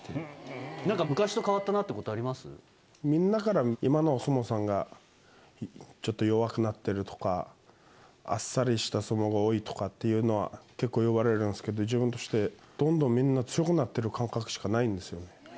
みんなから「今のお相撲さんがちょっと弱くなってる」とか「あっさりした相撲が多い」とかっていうのは結構言われるんですけど自分としてどんどんみんな強くなってる感覚しかないんですよね